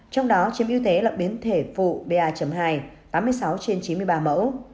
trong đó chiếm ưu thế là biến thể phụ ba hai tám mươi sáu trên chín mươi ba mẫu